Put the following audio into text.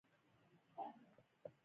دا حقونه رسېدلي ملتونه لرل